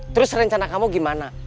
terus rencana kamu gimana